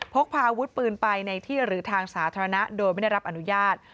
พกพาอาวุธปืนไปในที่หรือทางสาธารณะโดยไม่ได้รับอนุญาต